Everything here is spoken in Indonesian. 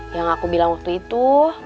yang aku bilang waktu itu